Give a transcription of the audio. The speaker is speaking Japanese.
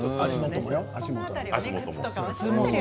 足元もよ。